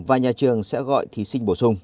và nhà trường sẽ gọi thí sinh bổ sung